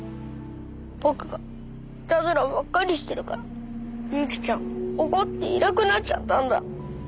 僕がいたずらばっかりしてるからユキちゃん怒っていなくなっちゃったんだ。